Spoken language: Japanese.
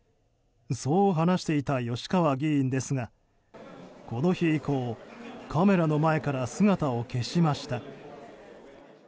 そう話していた吉川議員ですがこの日以降、カメラの前から姿を消しました。